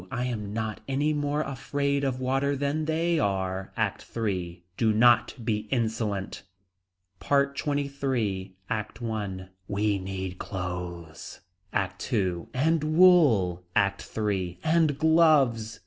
I am not any more afraid of water than they are. ACT III. Do not be insolent. PART XXIII. ACT I. We need clothes. ACT II. And wool. ACT III. And gloves.